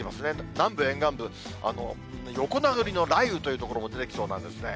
南部沿岸部、横殴りの雷雨という所も出てきそうなんですね。